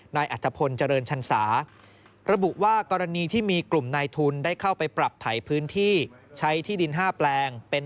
อัตภพลเจริญชันสาระบุว่ากรณีที่มีกลุ่มนายทุนได้เข้าไปปรับไถพื้นที่ใช้ที่ดิน๕แปลงเป็น